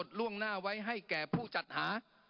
ความจำล่วงหน้าไว้ให้แก่ผู้จัดหา